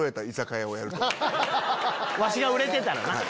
わしが売れてたらな。